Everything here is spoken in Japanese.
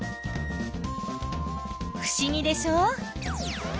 ふしぎでしょ。